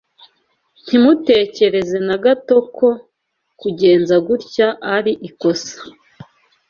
Ntimutekereze na gato ko kugenza gutya ari ikosa.